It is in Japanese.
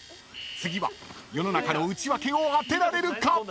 ［次は世の中のウチワケを当てられるか⁉］